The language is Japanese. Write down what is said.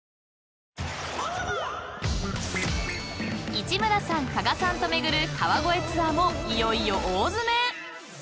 ［市村さん鹿賀さんと巡る川越ツアーもいよいよ大詰め］